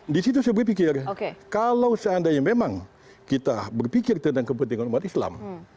di situ saya berpikir kalau seandainya memang kita berpikir tentang kepentingan umat islam